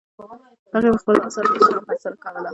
هغې په خپلو اثارو د چاپ هڅه کوله.